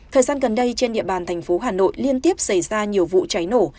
thời gian gần đây trên địa bàn thành phố hà nội liên tiếp xảy ra nhiều vụ cháy nổ